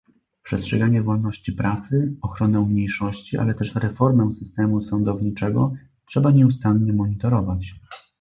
Przestrzeganie wolności prasy, ochronę mniejszości, ale też reformę systemu sądowniczego trzeba nieustannie monitorować